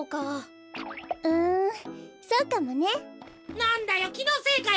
なんだよきのせいかよ